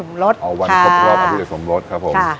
วันขบรอบอภิเษษศมรสครับผม